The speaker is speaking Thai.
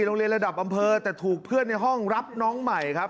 โรงเรียนระดับอำเภอแต่ถูกเพื่อนในห้องรับน้องใหม่ครับ